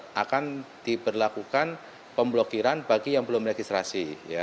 pada tiga puluh satu maret akan diberlakukan pemblokiran bagi yang belum registrasi